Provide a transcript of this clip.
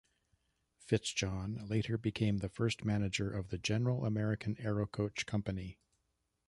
FitzJohn later became the first manager of the General American Aerocoach Company.